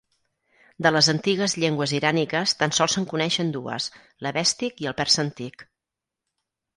De les antigues llengües iràniques tan sols se'n coneixen dues: l'avèstic i el persa antic.